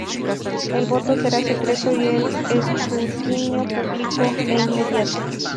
El voto será secreto y el escrutinio público e inmediato.